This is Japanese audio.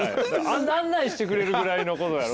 案内してくれるぐらいのことやろ。